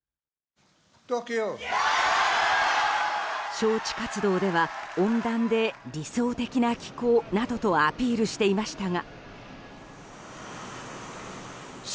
招致活動では温暖で理想的な気候などとアピールしていましたが。